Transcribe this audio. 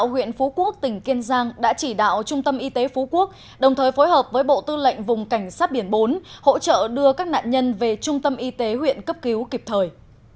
hỗ trợ đưa các nạn nhân về trung tâm y tế huyện cấp cứu kịp thời